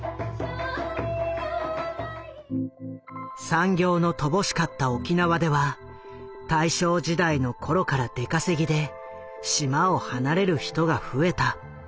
産業の乏しかった沖縄では大正時代の頃から出稼ぎで島を離れる人が増えた。